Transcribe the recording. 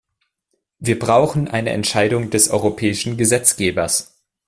Wir brauchen eine Entscheidung des europäischen Gesetzgebers.